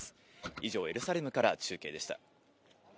以上、エルサレムから中継でした。